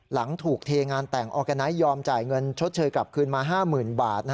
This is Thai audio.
หลังถูกเทงานแต่งออร์แกไนท์ยอมจ่ายเงินชดเชยกลับคืนมา๕๐๐๐บาท